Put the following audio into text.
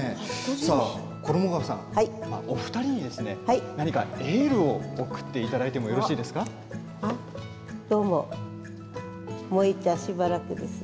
衣川さん、お二人にエールを送っていただいてもよろしいですか？